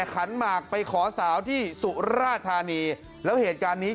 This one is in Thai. ขันหมากไปขอสาวที่สุราธานีแล้วเหตุการณ์นี้